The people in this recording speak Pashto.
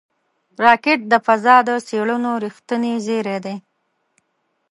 راکټ د فضا د څېړنو رېښتینی زېری دی